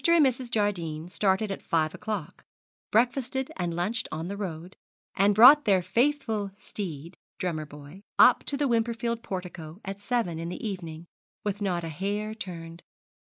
and Mrs. Jardine started at five o'clock, breakfasted and lunched on the road, and brought their faithful steed, Drummer Boy, up to the Wimperfield portico at seven in the evening, with not a hair turned.